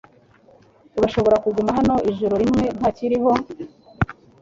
Arashobora kuguma hano ijoro rimwe ntakiriho